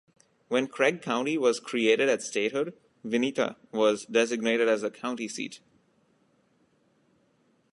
When Craig County was created at statehood, Vinita was designated as the county seat.